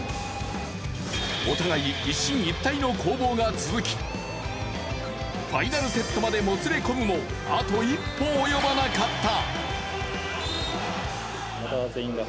お互い一進一退の攻防が続きファイナルセットまでもつれ込むもあと一歩及ばなかった。